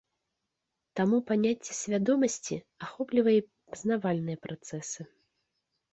Таму паняцце свядомасці ахоплівае і пазнавальныя працэсы.